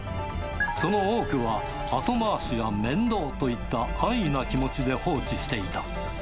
その多くは、後回しや面倒といった安易な気持ちで放置していた。